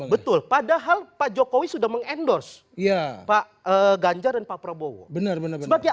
betul padahal pak jokowi sudah mengendorse ya pak ganjar dan pak prabowo benar benar sebagai